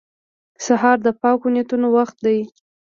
سهار د پاکو نیتونو وخت دی.